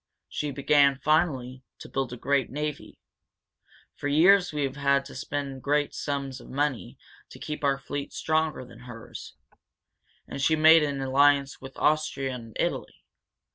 She began, finally, to build a great navy. For years we have had to spend great sums of money to keep our fleet stronger than hers. And she made an alliance with Austria and Italy.